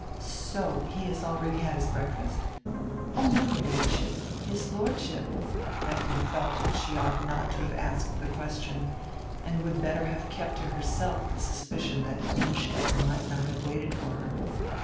"So he has already had his hreakfast?" "Oh, no, your Ladyship — His Lordship —" Effi felt diat she ought not to have asked die question and would better have kept to herself die suspicion diat Inn stetten might not have waited for her.